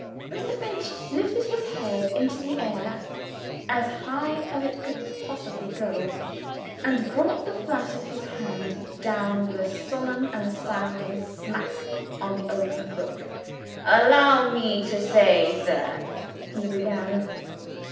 Mr. Finch lifted his head into the air as high as it could possibly go, and brought the flat of his hand down with a solemn and sounding smack on the open book. "Allow me to say, sir !" he began.